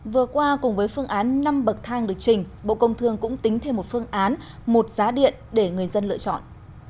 vừa qua cùng với phương án năm bậc thang được trình bộ công thương cũng tính thêm một phương án một giá điện để người dân lựa chọn